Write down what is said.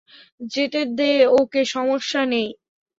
যেতে দে ওকে, সমস্যা নেই।